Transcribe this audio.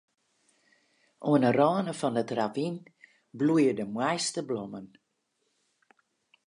Oan 'e râne fan it ravyn bloeie de moaiste blommen.